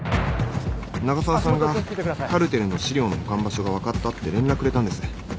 長澤さんがカルテルの資料の保管場所が分かったって連絡くれたんです